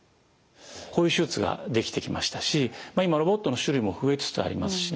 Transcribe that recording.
こういう手術ができてきましたし今ロボットの種類も増えつつありますしね